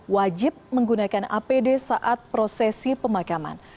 wajib menggunakan apd saat prosesi pemakaman